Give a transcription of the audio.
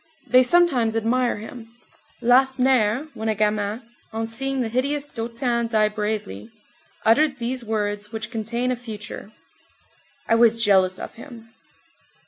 They sometimes admire him. Lacenaire, when a gamin, on seeing the hideous Dautin die bravely, uttered these words which contain a future: "I was jealous of him."